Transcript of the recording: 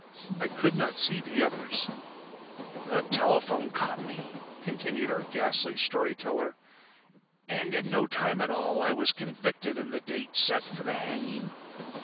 I could not see the others. "The telephone caught me," continued our ghastly story teller, "and in no time at all I was convicted and the date set for the hanging.